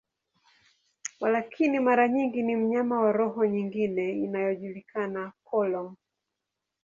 Walakini, mara nyingi ni mnyama wa roho nyingine inayojulikana, polong.